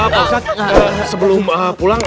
pak ustadz sebelum pulang